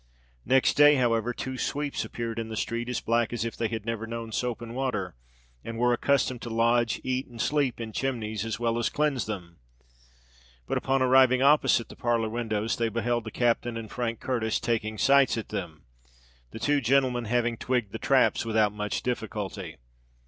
Next day, however, two sweeps appeared in the street, as black as if they had never known soap and water, and were accustomed to lodge, eat, and sleep in chimneys as well as cleanse them; but upon arriving opposite the parlour windows, they beheld the captain and Frank Curtis "taking sights" at them, the two gentlemen having "twigged the traps" without much difficulty.